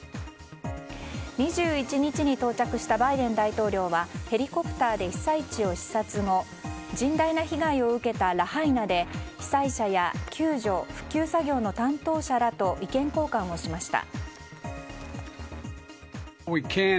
２１日に到着したバイデン大統領はヘリコプターで被災地を視察後甚大な被害を受けたラハイナで被災者や救助・復旧作業の担当者らと意見交換をしました。